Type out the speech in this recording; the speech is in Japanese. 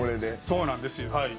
そうなんですはい。